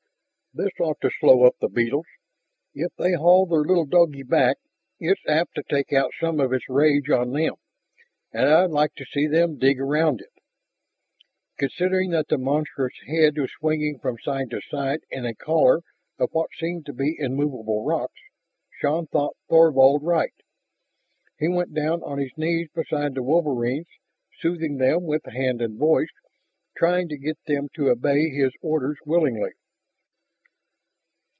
"This ought to slow up the beetles! If they haul their little doggie back, it's apt to take out some of its rage on them, and I'd like to see them dig around it." Considering that the monstrous head was swinging from side to side in a collar of what seemed to be immovable rocks, Shann thought Thorvald right. He went down on his knees beside the wolverines, soothing them with hand and voice, trying to get them to obey his orders willingly.